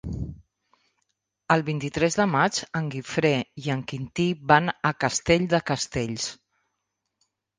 El vint-i-tres de maig en Guifré i en Quintí van a Castell de Castells.